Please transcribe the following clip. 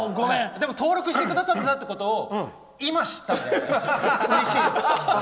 でも登録してくださってたことを今知ったので、うれしいです。